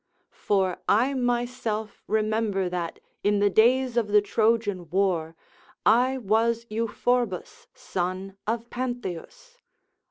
["For I myself remember that, in the days of the Trojan war, I was Euphorbus, son of Pantheus."